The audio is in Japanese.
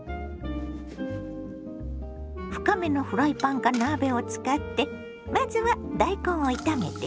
深めのフライパンか鍋を使ってまずは大根を炒めていきます。